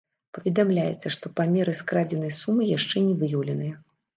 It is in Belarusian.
Паведамляецца, што памеры скрадзенай сумы яшчэ не выяўленыя.